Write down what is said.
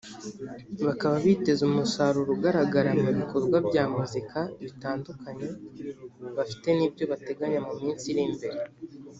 bakaba biteze umusaruro ugaragara mu bikorwa bya muzika bitandukanye bafite n’ibyo bateganya mu minsi iri imbere